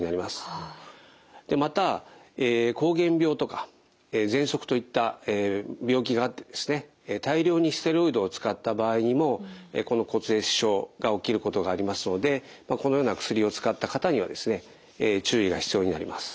また膠原病とかぜんそくといった病気があって大量にステロイドを使った場合にもこの骨壊死症が起きることがありますのでこのような薬を使った方には注意が必要になります。